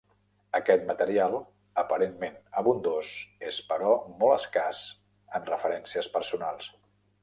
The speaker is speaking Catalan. Aquest material, aparentment abundós, és, però, molt escàs en referències personals.